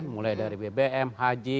mulai dari bbm haji